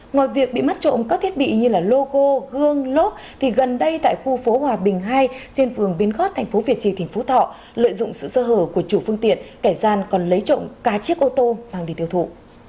ngoài việc bị mất trộm các thiết bị như logo gương lốp thì gần đây tại khu phố hòa bình hai trên phường biến gót tp việt trì tỉnh phú thọ lợi dụng sự sơ hở của chủ phương tiện kẻ gian còn lấy trộm cả chiếc ô tô mang đi tiêu thụ